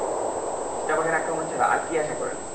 চিতাবাঘের আক্রমণ ছাড়া আর কী আশা করেন?